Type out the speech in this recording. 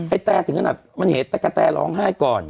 แตถึงขนาดมันเห็นตะกะแตร้องไห้ก่อน